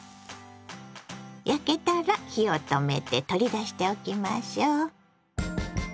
焼けたら火を止めて取り出しておきましょう。